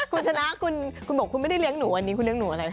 คุณชนะคุณบอกคุณไม่ได้เลี้ยงหนูอันนี้คุณเลี้ยหนูอะไร